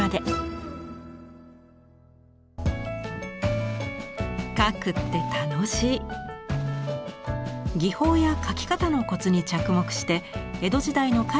技法や描き方のコツに着目して江戸時代の絵画の魅力に迫る展覧会です。